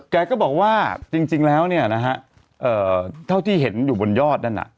แกก็บอกว่าจริงแล้วเนี่ยนะฮะเท่าที่เห็นอยู่บนยอดนั่นน่ะ